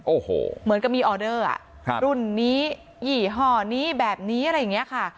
โอ้โหเหมือนกับมีออเดอร์รุ่นนี้ยี่ห้อนี้แบบนี้อะไรอย่างนี้ค่ะ